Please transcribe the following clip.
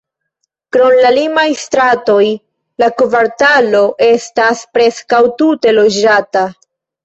Krom la limaj stratoj, la kvartalo estas preskaŭ tute loĝata.